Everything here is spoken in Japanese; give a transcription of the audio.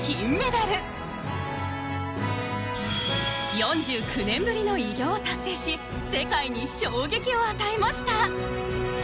４９年ぶりの偉業を達成し世界に衝撃を与えました。